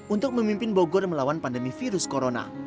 untuk memimpin bogor melawan pandemi virus corona